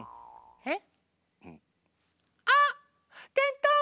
えっ！